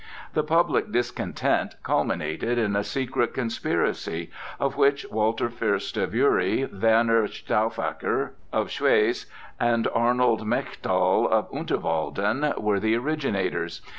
The public discontent culminated in a secret conspiracy, of which Walter Fuerst of Uri, Werner Stauffacher of Schwyz, and Arnold Melchthal of Unterwalden, were the originators.